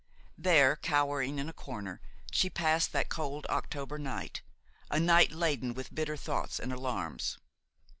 There, cowering in a corner, she passed that cold October night, a night laden with bitter thoughts and alarms.